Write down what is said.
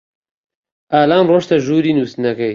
ئالان ڕۆیشتە ژووری نووستنەکەی.